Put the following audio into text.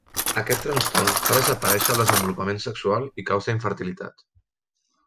Aquest trastorn fa desaparèixer el desenvolupament sexual i causa infertilitat.